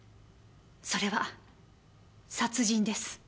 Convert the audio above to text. それは殺人です。